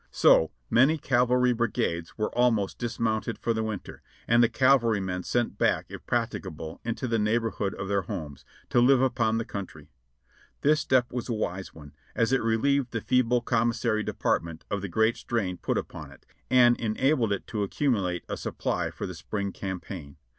So, many cavalry brigades were almost dismounted for the winter, and the cavalrymen sent back if practicable into the neighborhood of their homes, to live upon the country. This step was a wise one, as it relieved the feeble Commissary Department of the great strain put upon it, and enabled it to accumulate a supply for the spring cam paign.